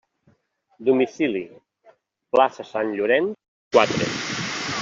Domicili: plaça Sant Llorenç, quatre.